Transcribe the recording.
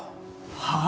はあ？